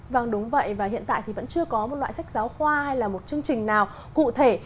vâng đúng vậy và hiện tại thì vẫn chưa có một loại sách giáo khoa hay là một chương trình nào cụ thể